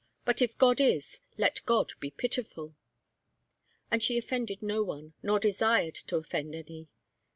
But if God is, let God be pitiful!' And she offended no one, nor desired to offend any.